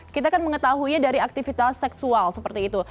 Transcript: kita kan mengetahuinya dari aktivitas seksual seperti itu